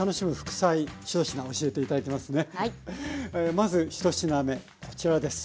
まず１品目こちらです。